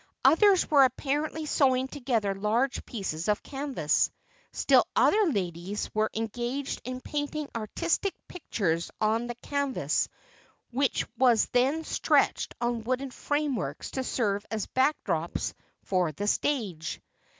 Others were apparently sewing together large pieces of canvas. Still other ladies were engaged in painting artistic pictures on the canvas which was then stretched on wooden frameworks to serve as backdrops for the stage.